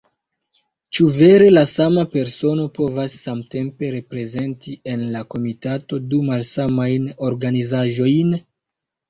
Ĉu vere la sama persono povas samtempe reprezenti en la komitato du malsamajn organizaĵojn?